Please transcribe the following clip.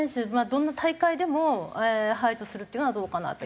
どんな大会でも排除するっていうのはどうかなと。